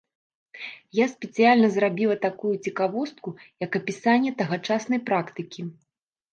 Я спецыяльна зрабіла такую цікавостку як апісанне тагачаснай практыкі.